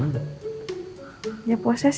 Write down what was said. maksudnya posesif gimana